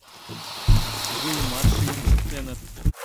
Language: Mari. Вуйымат шийын шуктеныт.